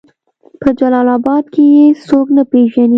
په جلال آباد کې يې څوک نه پېژني